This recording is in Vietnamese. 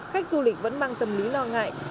khách du lịch vẫn mang tâm lý lo ngại